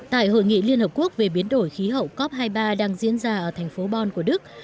tại hội nghị liên hợp quốc về biến đổi khí hậu cop hai mươi ba đang diễn ra ở thành phố bon của đức